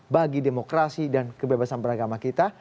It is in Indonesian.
bagi demokrasi dan kebebasan beragama kita